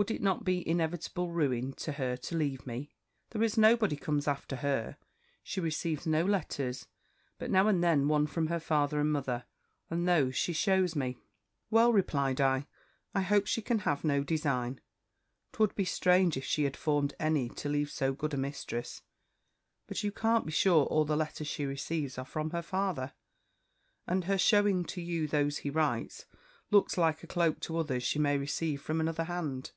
Would it not be inevitable ruin to her to leave me? There is nobody comes after her: she receives no letters, but now and then one from her father and mother, and those she shews me.' "'Well,' replied I, 'I hope she can have no design; 'twould be strange if she had formed any to leave so good a mistress; but you can't be sure all the letters she receives are from her father; and her shewing to you those he writes, looks like a cloak to others she may receive from another hand.